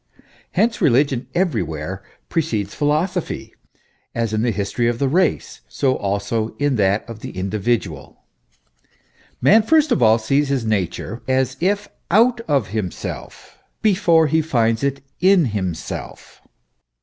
Hence, religion everywhere precedes philosophy, as in the history of the race, so also in that of the individual. Man first of all sees his nature as if out of himself, before he finds it in himself.